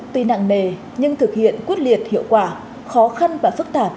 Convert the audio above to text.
tuy nặng nề nhưng thực hiện quyết liệt hiệu quả khó khăn và phức tạp